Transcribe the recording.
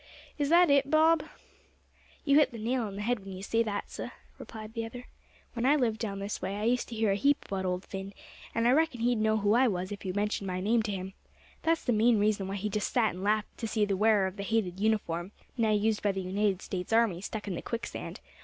Is that it, Bob?" "You hit the nail on the head when you say that, suh," replied the other. "When I lived down this way, I used to hear a heap about Old Phin; and I reckon he'd know who I was if you mentioned my name to him. That's the main reason why he just sat and laughed to see the wearer of the hated uniform now used by the United States army stuck in the quicksand.